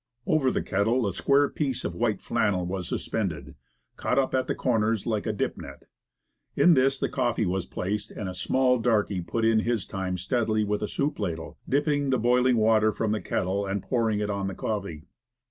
Over the kettle a square piece of white flannel was suspended, caught up at the corners like a dip net. In this the coffee was placed, and a small darky put in his time steadily with a soup ladle, dipping the boiling water from the kettle and pouring it on the coffee.